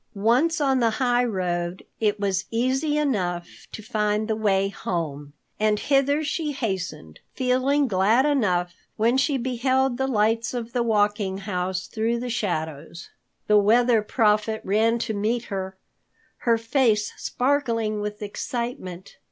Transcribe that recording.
Once on the highroad, it was easy enough to find the way home, and hither she hastened, feeling glad enough when she beheld the lights of the Walking House through the shadows. The Weather Prophet ran to meet her, her face sparkling with excitement.